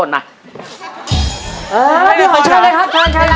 อนมากครับ